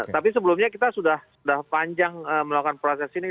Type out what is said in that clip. tapi sebelumnya kita sudah panjang melakukan proses ini